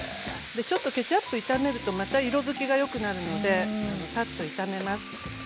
ちょっとケチャップ炒めるとまた色づきがよくなるのでさっと炒めます。